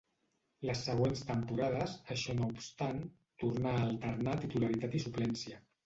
Les següents temporades, això no obstant, tornà a alternar titularitat i suplència.